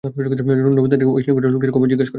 নবী তাদের কাছে ঐ কৃষ্ণকায় লোকটির খবর জিজ্ঞেস করেন।